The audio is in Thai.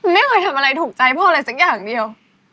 ไม่เคยทำอะไรถูกใจพ่ออะไรสักอย่างเดียว